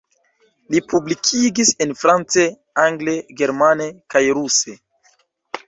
Li publikigis en france, angle, germane kaj ruse.